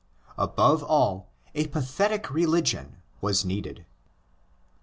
Above all, a pathetic religion was needed.